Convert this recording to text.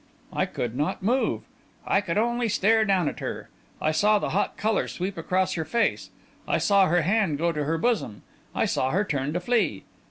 I could not move. I could only stare down at her. I saw the hot colour sweep across her face; I saw her hand go to her bosom; I saw her turn to flee.